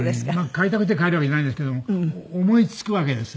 変えたくて変えるわけじゃないんですけども思いつくわけです。